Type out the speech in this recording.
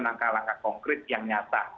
langkah langkah konkret yang nyata